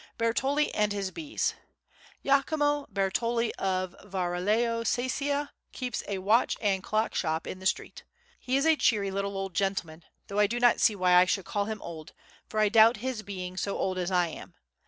Bertoli and his Bees Giacomo Bertoli of Varallo Sesia keeps a watch and clock shop in the street. He is a cheery little old gentleman, though I do not see why I should call him old for I doubt his being so old as I am.